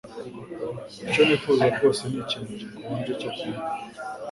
Icyo nifuza rwose ni ikintu gikonje cyo kunywa.